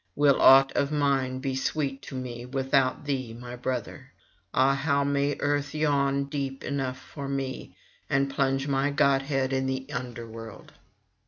will aught of mine be sweet to me without thee, my brother? Ah, how may Earth yawn deep enough for me, and plunge my godhead in the under world!'